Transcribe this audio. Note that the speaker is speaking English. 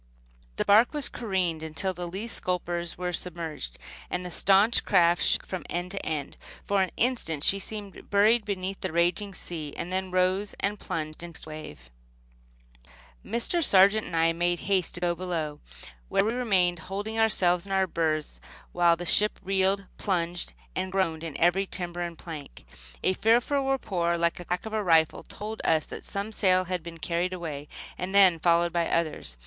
The bark was careened until the lee scuppers were submerged; and the staunch craft shook from end to end. For an instant she seemed buried beneath the raging sea, and then rose and plunged into the next wave. Mr. Sargent and I made haste to go below, where we remained holding ourselves in our berths while the ship reeled, plunged and groaned in every timber and plank. A fearful report like the crack of a rifle told us that some sail had been carried away; and then followed others.